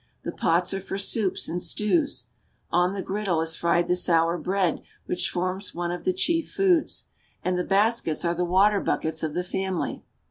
The pots are for soups I^Bnd stews, on the griddle is fried the sour bread whicb | I forms one of the chief foods, and the baskets are the water J ■buckets of the family.